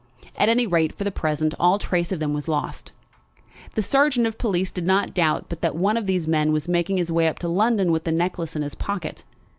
At any rate, for the present, all trace of them was lost. The sergeant of police did not doubt but that one of these men was making his way up to London with the necklace in his pocket.